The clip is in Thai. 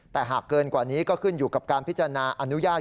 แต่หากเกินกว่านี้ก็ขึ้นอยู่กับการพิจารณาอนุญาต